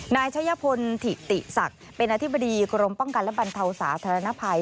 นายชะยพลถิติศักดิ์เป็นอธิบดีกรมป้องกันและบรรเทาสาธารณภัย